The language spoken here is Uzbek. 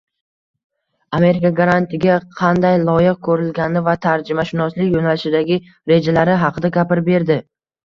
Amerika grantiga qanday loyiq ko‘rilgani va tarjimashunoslik yo‘nalishidagi rejalari haqida gapirib berdi.